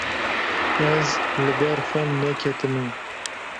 Ez li ber xwe neketime.